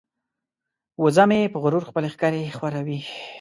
وزه مې په غرور خپلې ښکرې ښوروي.